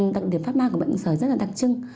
đặc điểm phát ban của bệnh sởi rất là đặc trưng